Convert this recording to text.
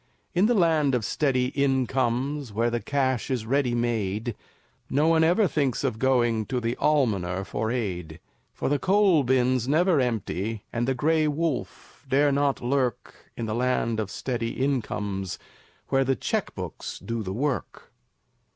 In the Land of Steady Incomes, Where the cash is ready made, No one ever thinks of going To the almoner for aid, For the coal bin's never empty, And the Gray Wolf dare not lurk In the Land of Steady Incomes, Where the check books do the work.